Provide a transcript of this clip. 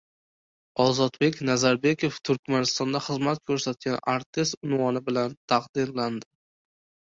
Ozodbek Nazarbekov “Turkmanistonda xizmat ko‘rsatgan artist” unvoni bilan taqdirlandi